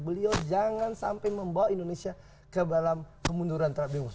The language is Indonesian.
beliau jangan sampai membawa indonesia ke dalam kemunduran terhadap demokrasi